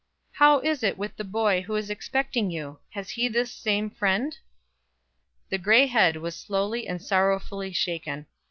"How is it with the boy who is expecting you; has he this same friend?" The gray head was slowly and sorrowfully shaken.